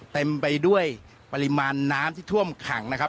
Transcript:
เต็มไปด้วยปริมาณน้ำที่ท่วมขังนะครับ